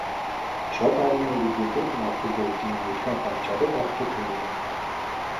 Շատ առուներ ու գետեր մարդու գործունեության պատճառով աղտոտվել են։